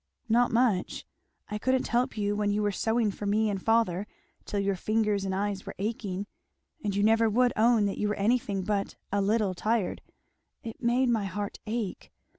"Not much. I couldn't help you when you were sewing for me and father till your fingers and eyes were aching, and you never would own that you were anything but 'a little' tired it made my heart ache.